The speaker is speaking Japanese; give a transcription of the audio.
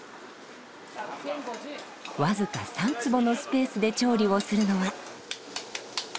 僅か３坪のスペースで調理をするのは。